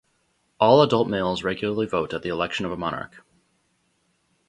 All adult males regularly vote at the election of a monarch.